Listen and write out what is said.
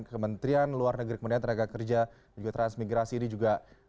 kementrian luar negeri menilai tenaga kerja persian migrasi ini juga